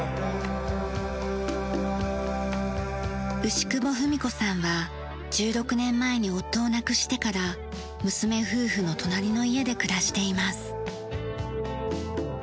牛久保富美子さんは１６年前に夫を亡くしてから娘夫婦の隣の家で暮らしています。